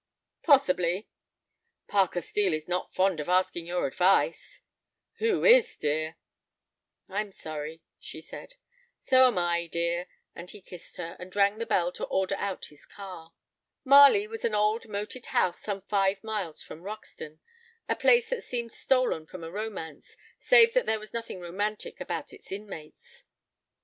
"Possibly." "Parker Steel is not fond of asking your advice." "Who is, dear?" "I'm sorry," she said. "So am I, dear," and he kissed her, and rang the bell to order out his car. Marley was an old moated house some five miles from Roxton, a place that seemed stolen from a romance, save that there was nothing romantic about its inmates.